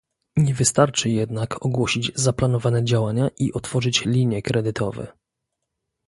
Nie wystarczy jednak ogłosić zaplanowane działania i otworzyć linie kredytowe